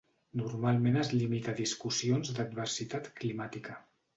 Normalment es limita a discussions d'adversitat climàtica.